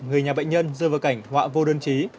người nhà bệnh nhân dơ vào cảnh họa vô đơn trí